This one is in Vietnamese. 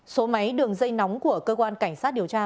số máy đường dây nóng của cơ quan cảnh sát điều tra